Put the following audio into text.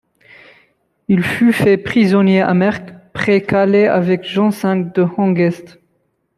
Il fut fait prisonnier à Mercq près Calais avec Jean V de Hangest.